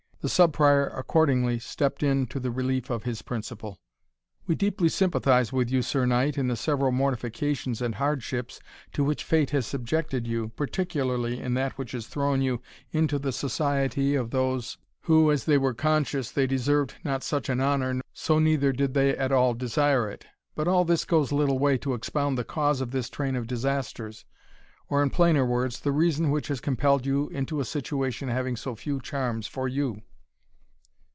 The Sub Prior accordingly stepped in to the relief of his principal. "We deeply sympathize with you, Sir Knight, in the several mortifications and hardships to which fate has subjected you, particularly in that which has thrown you into the society of those, who, as they were conscious they deserved not such an honour, so neither did they at all desire it. But all this goes little way to expound the cause of this train of disasters, or, in plainer words, the reason which has compelled you into a situation having so few charms for you."